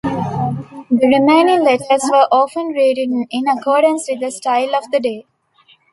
The remaining letters were often rewritten in accordance with the style of the day.